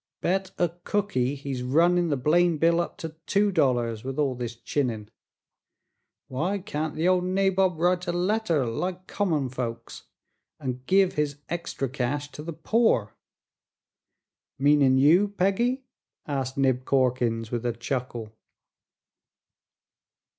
"Bet a cookie he's runnin' the blame bill up to two dollars, with all this chinnin'. Why can't th' ol' nabob write a letter, like common folks, an' give his extry cash to the poor?" "Meanin' you, Peggy?" asked Nib Corkins, with a chuckle.